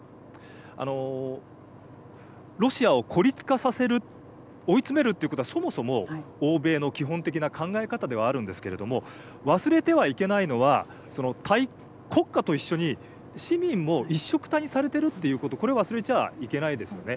あのロシアを孤立化させる追い詰めるっていうことはそもそも欧米の基本的な考え方ではあるんですけれども忘れてはいけないのは国家と一緒に市民も一緒くたにされてるっていうことこれを忘れちゃいけないですよね。